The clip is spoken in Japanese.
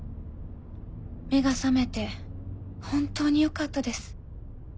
目が覚めて本当によかったです。